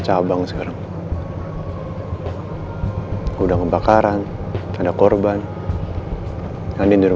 ya mungkin bapak pasti capek biar saya dan riza yang akan menangkan saya ya pak